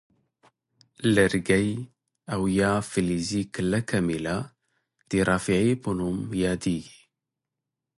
لرګی او یا فلزي کلکه میله د رافعې په نوم یادیږي.